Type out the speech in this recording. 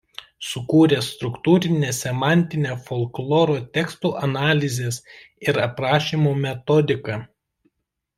Sukūrė struktūrinę semantinę folkloro tekstų analizės ir aprašymo metodiką.